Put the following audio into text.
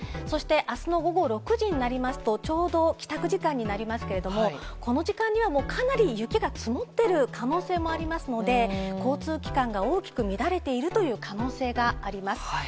そして、あすの午後６時になりますと、ちょうど帰宅時間になりますけれども、この時間には、もうかなり雪が積もっている可能性もありますので、交通機関が大きく乱れているという可能性があります。